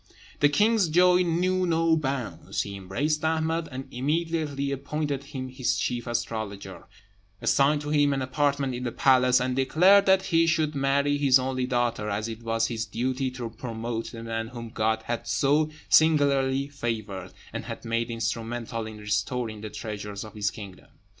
The king's joy knew no bounds; he embraced Ahmed, and immediately appointed him his chief astrologer, assigned to him an apartment in the palace, and declared that he should marry his only daughter, as it was his duty to promote the man whom God had so singularly favoured, and had made instrumental in restoring the treasures of his kingdom.